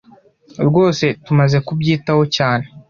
Rwose Tumaze kubyitaho cyane.